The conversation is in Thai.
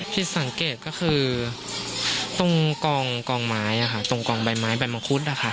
ที่สังเกตก็คือตรงกองไม้ตรงกองใบไม้ใบมังคุดนะคะ